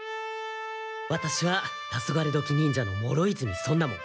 ワタシはタソガレドキ忍者の諸泉尊奈門。